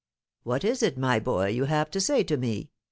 "What is it, my boy, you have to say to me?"